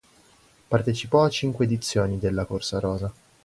Partecipò a cinque edizioni della corsa rosa.